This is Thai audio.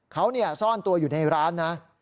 เขาซ่อนตัวอยู่ในร้านนะ